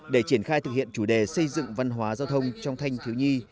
để triển khai thực hiện chủ đề xây dựng văn hóa giao thông trong thanh thiếu nhi